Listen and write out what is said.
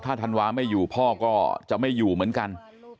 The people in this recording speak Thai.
ธันวาไม่อยู่พ่อก็จะไม่อยู่เหมือนกัน